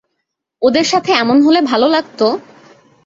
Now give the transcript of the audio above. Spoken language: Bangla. ওদের সাথে এমন হলে ভালো লাগতো?